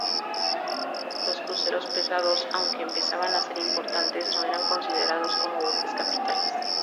Los cruceros pesados, aunque empezaban a ser importantes, no eran considerados como "buques capitales".